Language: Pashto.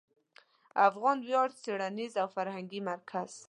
افغان ویاړ څېړنیز او فرهنګي مرکز